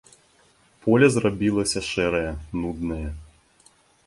Поле зрабілася шэрае, нуднае.